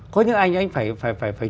có những anh anh phải phải phải phải